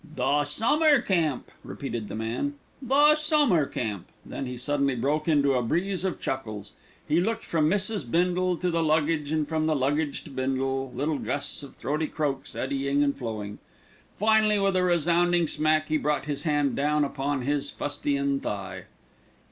"The Summer Camp!" repeated the man, "the Summer Camp!" Then he suddenly broke into a breeze of chuckles. He looked from Mrs. Bindle to the luggage and from the luggage to Bindle, little gusts of throaty croaks eddying and flowing. Finally with a resounding smack he brought his hand down upon his fustian thigh.